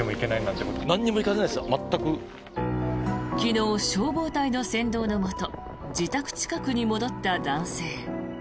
昨日、消防隊の先導のもと自宅近くに戻った男性。